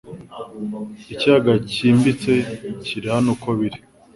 Ikiyaga cyimbitse kiri hano uko biri